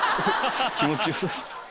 気持ちよさそう。